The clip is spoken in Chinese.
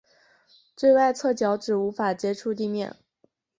最外侧脚趾无法接触地面。